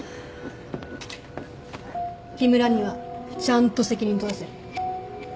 木村にはちゃんと責任取らせる。